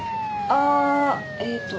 ああえっと